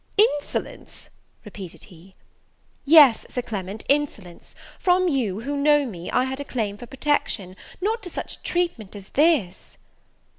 "Insolence!" repeated he. "Yes, Sir Clement, insolence; from you, who know me, I had a claim for protection, not to such treatment as this."